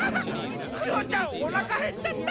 クヨちゃんおなかへっちゃった！